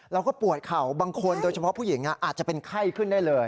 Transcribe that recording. เราก็ปวดเข่าบางคนโดยเฉพาะผู้หญิงอาจจะเป็นไข้ขึ้นได้เลย